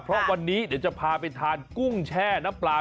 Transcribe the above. เพราะวันนี้เดี๋ยวจะพาไปทานกุ้งแช่น้ำปลา